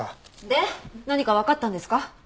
で何かわかったんですか？